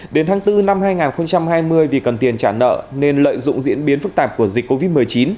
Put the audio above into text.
đến tháng bốn năm hai nghìn hai mươi vì cần tiền trả nợ nên lợi dụng diễn biến phức tạp của dịch covid